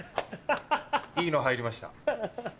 いいの入りました。